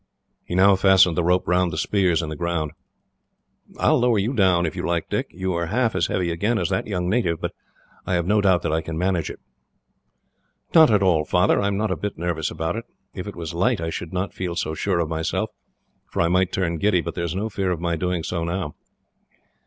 He now fastened the rope round the spears in the ground. "I will lower you down, if you like, Dick. You are half as heavy again as that young native, but I have no doubt that I can manage it." "Not at all, Father. I am not a bit nervous about it. If it was light, I should not feel so sure of myself, for I might turn giddy; but there is no fear of my doing so now."